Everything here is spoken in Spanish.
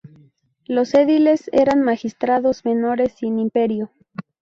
Los ediles eran magistrados menores sin imperio.